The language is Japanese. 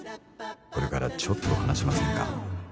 「これからちょっと話しませんか？」